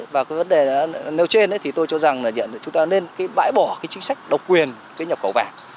và vấn đề nêu trên tôi cho rằng chúng ta nên bãi bỏ chính sách độc quyền nhập khẩu vàng